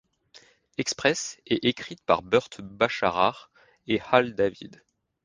Express et écrite par Burt Bacharach et Hal David.